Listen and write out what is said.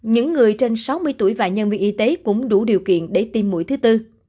những người trên sáu mươi tuổi và nhân viên y tế cũng đủ điều kiện để tiêm mũi thứ tư